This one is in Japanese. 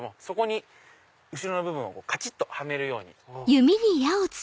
そこに後ろの部分をカチっとはめるように。